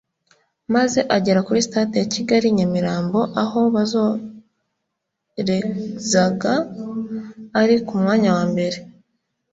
maze agera kuri Stade ya Kigali i Nyamirambo aho bazorezaga ari ku mwanya wa mbere